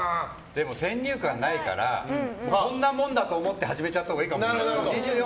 でも先入観ないからこんなもんだと思って始めちゃったほうがいいかもしれない。